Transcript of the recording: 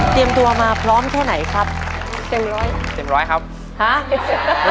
ตัวมาพร้อมแค่ไหนครับเต็มร้อยเต็มร้อยครับฮะ